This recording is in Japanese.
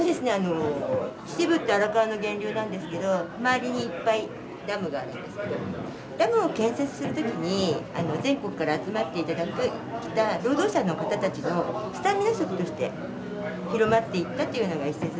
秩父って荒川の源流なんですけどダムを建設する時に全国から集まって頂いて来た労働者の方たちのスタミナ食として広まっていったというのが一説ですね。